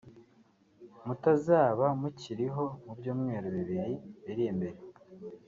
mutazaba mukiriho mu byumweru bibiri biri imbere